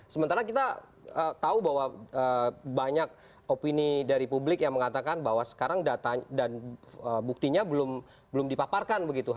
sementara kita tahu bahwa banyak opini dari publik yang mengatakan bahwa sekarang data dan buktinya belum dipaparkan begitu